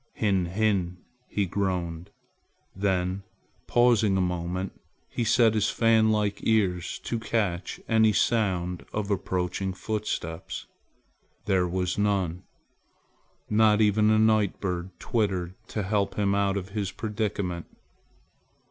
"Hin! hin!" he groaned. Then pausing a moment, he set his fan like ears to catch any sound of approaching footsteps. There was none. Not even a night bird twittered to help him out of his predicament.